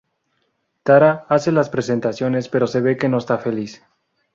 Tara hace las presentaciones pero se ve que no está feliz.